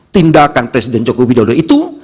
tindakan presiden joko widodo itu